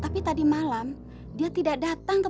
berangkat dulu ya bu